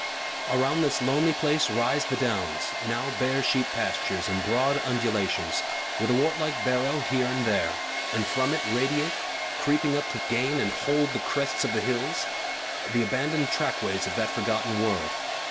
Around this lonely place rise the Downs, now bare sheep pastures, in broad undulations, with a wart like barrow here and there, and from it radiate, creeping up to gain and hold the crests of the hills, the abandoned trackways of that forgotten world.